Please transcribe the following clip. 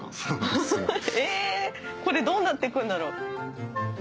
えこれどうなってくんだろ？